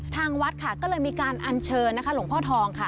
ทางวัดค่ะก็เลยมีการอัญเชิญนะคะหลวงพ่อทองค่ะ